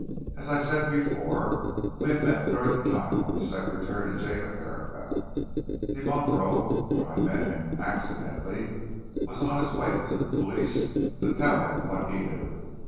As I said before, we had met during the time I was secretary to Jacob Herapath. Dimambro, when I met him accidentally was on his way to the police, to tell them what he knew.